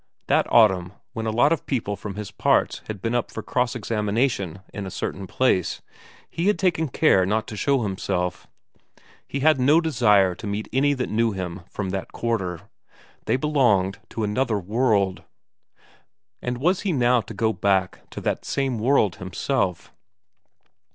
That autumn, when a lot of people from his parts had been up for cross examination in a certain place, he had taken care not to show himself; he had no desire to meet any that knew him from that quarter; they belonged to another world. And was he now to go back to that same world himself?